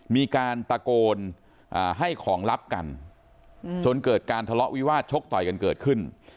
มีการตะโกนให้ของลับกันจนเกิดการทะเลาะวิวาสชกต่อยกันเกิดขึ้น